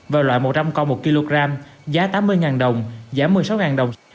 và loại một trăm linh con một kg giá tám mươi đồng giảm một mươi sáu đồng so với trước tết